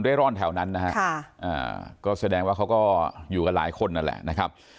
ร่อนแถวนั้นนะฮะก็แสดงว่าเขาก็อยู่กันหลายคนนั่นแหละนะครับ